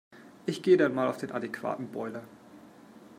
Ich gehe dann mal auf den adäquaten Boiler.